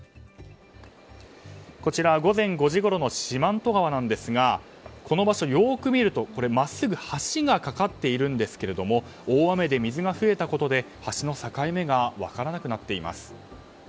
午前５時ごろの四万十川ですがこの場所よく見ると真っすぐ橋が架かっているんですけれども大雨で水が増えたことで橋の境目が分からなくなっています。